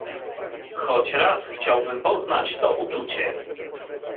"Choć raz chciałbym poznać to uczucie."